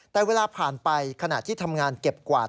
แต่เวลาผ่านไปขณะที่ทำงานเก็บกวาด